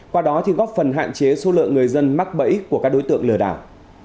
qua đó thì góp phần hạn chế số lượng người dân mắc bẫy của các đối tượng lừa đảo